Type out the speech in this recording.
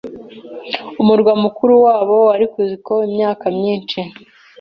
Umurwa mukuru wabo wari Cuzco imyaka myinshi.